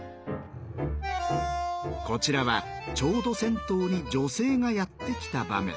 こちらはちょうど銭湯に女性がやって来た場面。